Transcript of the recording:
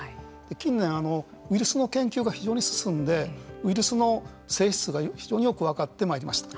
近年、ウイルスの研究が非常に進んでウイルスの性質が非常によく分かってまいりました。